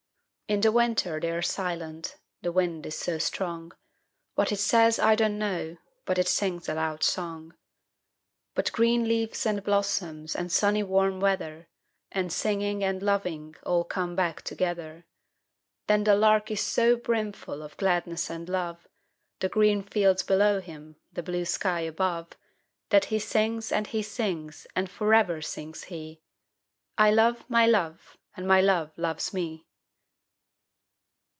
In the winter they're silent the wind is so strong; What it says, I don't know, but it sings a loud song. But green leaves, and blossoms, and sunny warm weather, 5 And singing, and loving all come back together. But the Lark is so brimful of gladness and love, The green fields below him, the blue sky above, That he sings, and he sings; and for ever sings he 'I love my Love, and my Love loves me!'